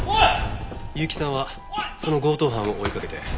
結城さんはその強盗犯を追いかけて。